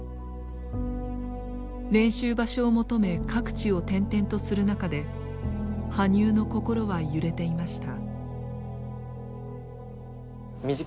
練習場所を求め各地を転々とする中で羽生の心は揺れていました。